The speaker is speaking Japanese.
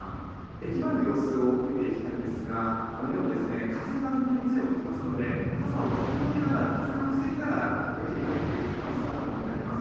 駅前の様子を見ていきたいんですが風が時折強く吹きますので傘を傾けながら風を防ぎながら駅に入っていく方の姿も見られます。